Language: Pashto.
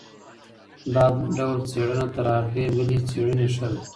دا ډول څېړنه تر هغې بلې څېړني ښه ده.